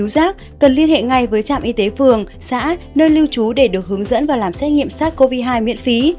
rác cần liên hệ ngay với trạm y tế phường xã nơi lưu trú để được hướng dẫn và làm xét nghiệm sars cov hai miễn phí